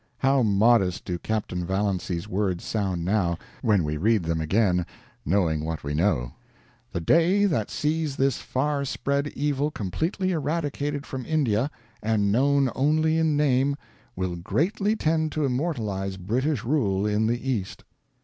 How modest do Captain Vallancey's words sound now, when we read them again, knowing what we know: "The day that sees this far spread evil completely eradicated from India, and known only in name, will greatly tend to immortalize British rule in the East."